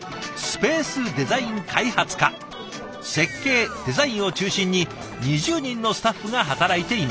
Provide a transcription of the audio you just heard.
設計デザインを中心に２０人のスタッフが働いています。